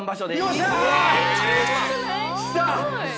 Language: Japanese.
◆よっしゃあ！